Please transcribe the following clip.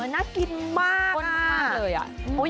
น่ากินมากน่าทานเลยอ่ะ